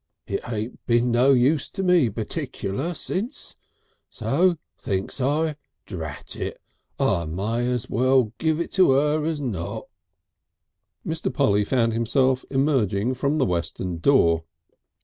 It ain't been no use to me particular since, so thinks I, drat it! I may as well give it 'er as not...." Mr. Polly found himself emerging from the western door.